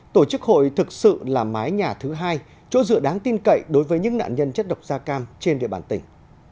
tổ chức hội thực sự là mái nhà thứ hai chỗ dựa đáng tin cậy đối với những nạn nhân chất độc da cam trên địa bàn tỉnh